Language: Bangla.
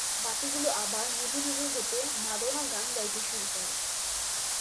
বাতিগুলো আবার নিভু নিভু হতে মাদোনা গান গাইতে শুরু করে।